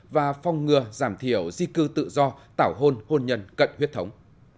và phong ngừa giảm thiểu di cư tự do tảo hôn hôn nhân cận huyết thống